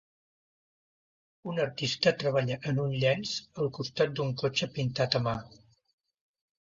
Un artista treballa en un llenç al costat d'un cotxe pintat a mà.